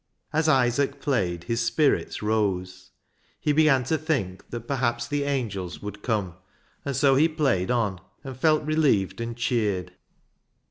As Isaac played, his spirits rose. He began to think that perhaps the angels would come, and so he played on and felt relieved and cheered.